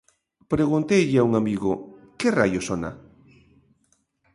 Pregunteille a un amigo: que raio sona?